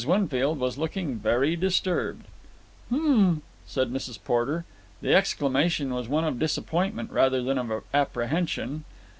Winfield was looking very disturbed." "H'm!" said Mrs. Porter. The exclamation was one of disappointment rather than of apprehension.